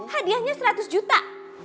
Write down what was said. hadiahnya seratus juta